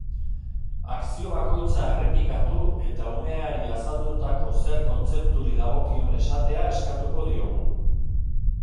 Akzio bakoitza errepikatu eta umeari azaldutako zer kontzepturi dagokion esatea eskatuko diogu.